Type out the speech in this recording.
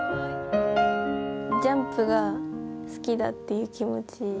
ジャンプが好きだっていう気持ち。